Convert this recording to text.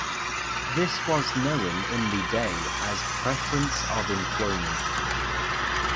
This was known in the day as Preference of Employment.